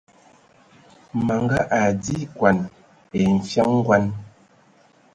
Manga adi ekɔn ai nfian ngɔn.